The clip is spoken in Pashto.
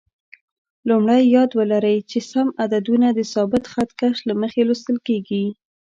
لومړی: یاد ولرئ چې سم عددونه د ثابت خط کش له مخې لوستل کېږي.